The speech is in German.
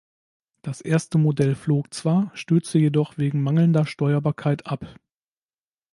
Das erste Modell flog zwar, stürzte jedoch wegen mangelnder Steuerbarkeit ab.